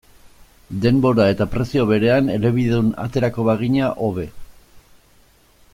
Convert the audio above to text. Denbora eta prezio berean elebidun aterako bagina, hobe.